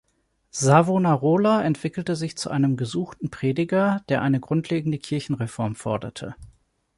Savonarola entwickelte sich zu einem gesuchten Prediger, der eine grundlegende Kirchenreform forderte.